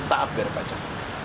tetap bayar pajak